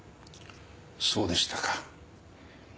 そうでしたか。